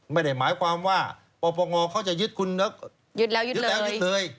ไม่ได้หมายความว่าปปงเขาจะยึดคุณแล้วยึดแล้วยึดเลย